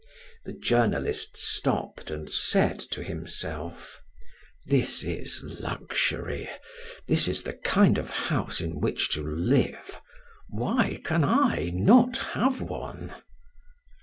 The journalist stopped and said to himself: "This is luxury; this is the kind of house in which to live. Why can I not have one?"